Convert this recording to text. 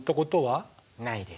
ないです。